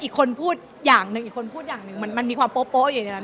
อีกคนพูดอย่างหนึ่งอีกคนพูดอย่างหนึ่งมันมีความโป๊ะอยู่ในนั้น